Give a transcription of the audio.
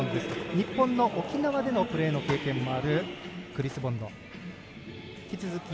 日本の沖縄でのプレーの経験もあるクリス・ボンド。